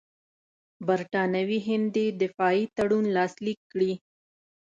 برټانوي هند دې دفاعي تړون لاسلیک کړي.